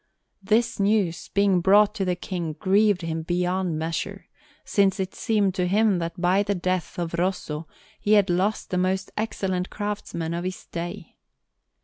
This news, being brought to the King, grieved him beyond measure, since it seemed to him that by the death of Rosso he had lost the most excellent craftsman of his day.